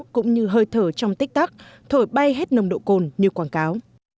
cũng như hơi thở trong tích tắc thổi bay hết nồng độ cồn như quảng cáo